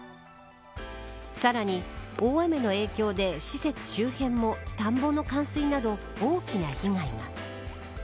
さらに大雨の影響で施設周辺も田んぼの冠水など大きな被害が。